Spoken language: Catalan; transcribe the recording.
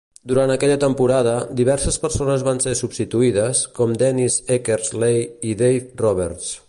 Durant aquella temporada, diverses persones van ser substituïdes, com Dennis Eckersley i Dave Roberts.